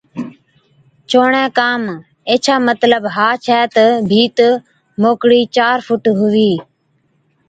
چَئُوڻَي ڪام، ايڇا مطلب ها ڇَي تہ ڀِيت موڪڙِي چار فُٽ هُوَي۔